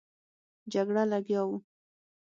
جګړه لګیا وو.